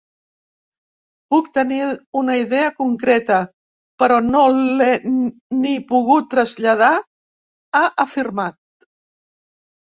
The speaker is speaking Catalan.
Puc tenir una idea concreta però no l’he ni puc traslladar, ha afirmat.